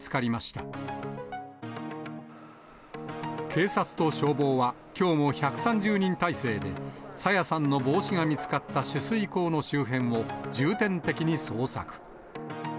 警察と消防は、きょうも１３０人態勢で、朝芽さんの帽子が見つかった取水口の周辺を重点的に捜索。